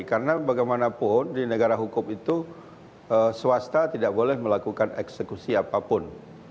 karena bagaimanapun di negara hukum itu swasta tidak boleh melakukan eksekusi apapun